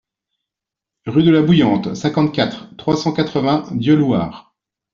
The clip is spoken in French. Rue de la Bouillante, cinquante-quatre, trois cent quatre-vingts Dieulouard